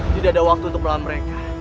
tidak ada waktu untuk melawan mereka